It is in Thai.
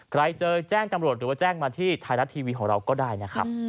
ใครเจอแจ้งตำรวจหรือว่าแจ้งมาที่ไทยรัฐทีวีของเราก็ได้นะครับ